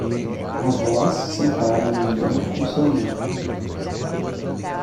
Avós sentado em um banco com seu neto.